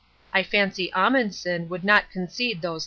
I fancy Amundsen will not concede those 3°!!